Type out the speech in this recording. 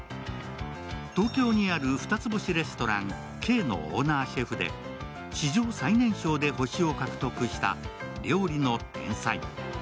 東京にある二つ星レストラン・Ｋのオーナーシェフで史上最年少で星を獲得した料理の天才。